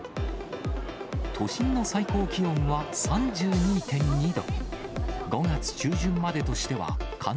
都心の最高気温は３２．２度。